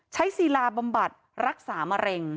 ศิลาบำบัดรักษามะเร็ง